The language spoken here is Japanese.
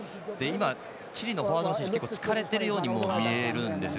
今チリのフォワードの選手結構、疲れてるようにも見えるんです。